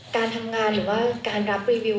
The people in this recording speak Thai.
การทำงานหรือว่าการรับรีวิว